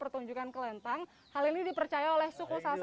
terima kasih bapak